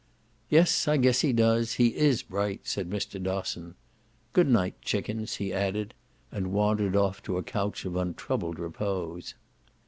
"Yes, I guess he does he IS bright," said Mr. Dosson. "Good night, chickens," he added; and wandered off to a couch of untroubled repose.